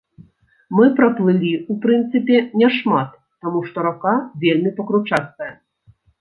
Мы праплылі, у прынцыпе, не шмат, таму, што рака вельмі пакручастая.